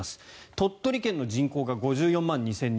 鳥取県の人口が５４万２０００人